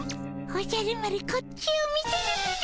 おじゃる丸こっちを見てるっピ。